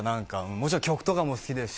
もちろん曲とかも好きですし。